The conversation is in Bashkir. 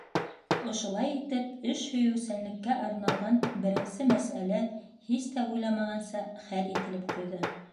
Ошолай итеп, эш һөйөүсәнлеккә арналған беренсе мәсьәлә һис тә уйламағанса хәл ителеп ҡуйҙы.